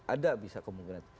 ada bisa kemungkinan